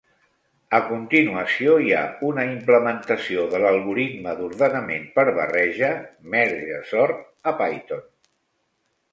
A continuació hi ha una implementació de l'algoritme d'ordenament per barreja (merge sort) a Python.